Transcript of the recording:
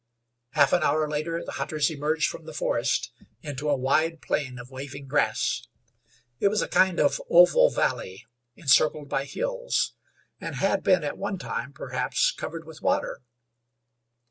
Half an hour later, the hunters emerged from the forest into a wide plain of waving grass. It was a kind of oval valley, encircled by hills, and had been at one time, perhaps, covered with water.